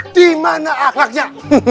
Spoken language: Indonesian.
di mana akhlaknya